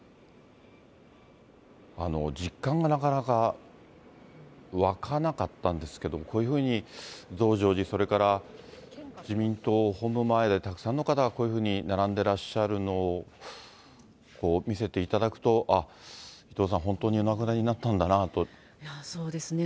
実感がなかなか湧かなかったんですけども、こういうふうに増上寺、それから自民党本部前でたくさんの方がこういうふうに並んでらっしゃるのを見せていただくと、あっ、伊藤さん、本当にお亡くなりそうですね。